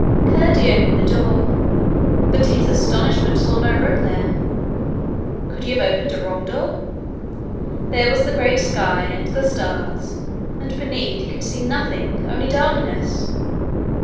Curdie opened the door but, to his astonishment, saw no room there. Could he have opened a wrong door? There was the great sky, and the stars, and beneath he could see nothing only darkness!